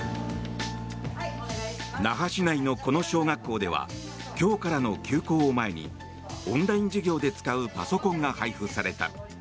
那覇市内のこの小学校では今日からの休校を前にオンライン授業で使うパソコンが配布された。